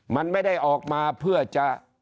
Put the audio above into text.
มันไม่ได้ออกมาเพื่อจะ